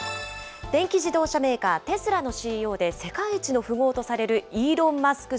電気自動車メーカー、テスラのＣＥＯで、世界一の富豪とされるイーロン・マスク